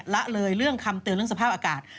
ละเลยเรื่องคำเตือนเรื่องสภาพอากาศ